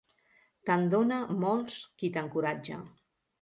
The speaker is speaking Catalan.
Te'n dóna molts qui t'encoratja.